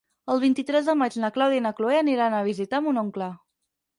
El vint-i-tres de maig na Clàudia i na Cloè aniran a visitar mon oncle.